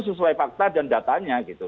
sesuai fakta dan datanya gitu